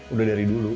udah dari dulu